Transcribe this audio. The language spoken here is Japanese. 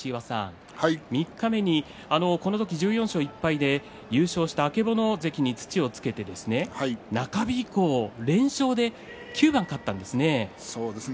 三日目に、この時１４勝１敗で優勝した曙関に土をつけて中日以降連勝で９番勝ったんですね。